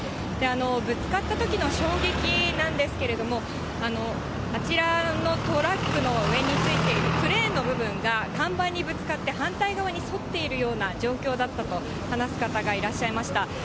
ぶつかったときの衝撃なんですけれども、あちらのトラックの上についているクレーンの部分が看板にぶつかって反対側にそっているような状況だったと話す方がいらっしゃいました。